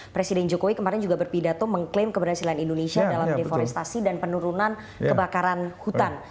presiden jokowi kemarin juga berpidato mengklaim keberhasilan indonesia dalam deforestasi dan penurunan kebakaran hutan